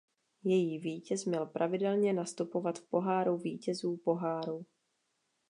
Její vítěz měl pravidelně nastupovat v Poháru vítězů pohárů.